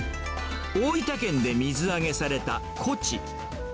大分県で水揚げされたコチ。